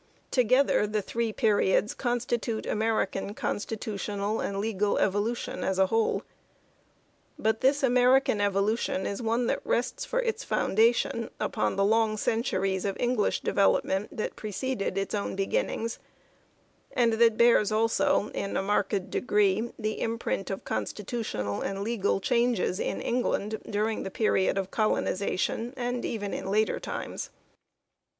Together the three periods constitute American con stitutional and legal evolution as a whole ; but this American evolution is one that rests for its foundation upon the long centuries of English development that preceded its own beginnings, and that bears also, in a marked degree, the imprint of constitutional and legal changes in England during the period of colonization and even in later times.